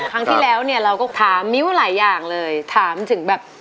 ครั้งที่แล้วเนี่ยเราก็ถามมิ้วหลายอย่างเลยถามถึงแบบ